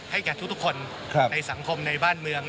แก่ทุกคนในสังคมในบ้านเมือง